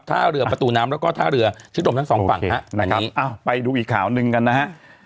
ท่าเรือประตูน้ำแล้วก็ท่าเรือชิดมทั้งสองฝั่งฮะนะครับไปดูอีกข่าวหนึ่งกันนะฮะ